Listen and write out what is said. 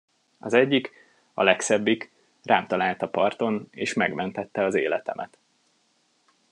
Az egyik, a legszebbik, rám talált a parton, és megmentette az életemet.